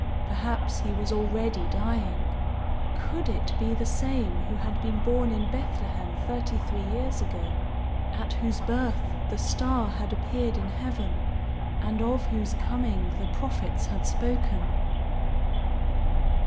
Perhaps he was already dying. Could it be the same who had been born in Bethlehem thirty three years ago, at whose birth the star had appeared in heaven, and of whose coming the prophets had spoken?